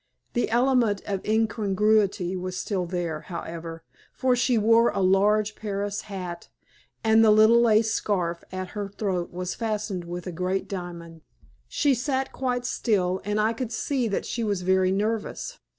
The element of incongruity was still there, however, for she wore a large Paris hat, and the little lace scarf at her throat was fastened with a great diamond. She sat quite still, and I could see that she was very nervous.